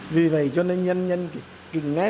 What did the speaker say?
vì vậy cho nên nhân dân kinh ngãi